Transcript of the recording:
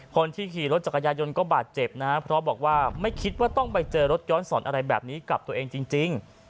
คนที่ขี่รถจักรยายนก็บาดเจ็บนะครับเพราะบอกว่าไม่คิดว่าต้องไปเจอรถย้อนสอนอะไรแบบนี้กับตัวเองจริง